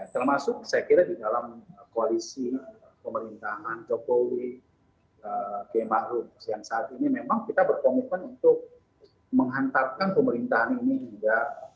termasuk saya kira di dalam koalisi pemerintahan jokowi gema rum yang saat ini memang kita berkomitmen untuk menghantarkan pemerintahan ini hingga dua ribu dua puluh empat